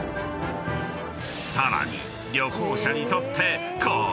［さらに］